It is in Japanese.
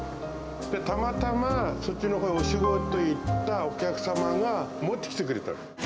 たまたまそっちのほうへお仕事行ったお客様が持ってきてくれたの。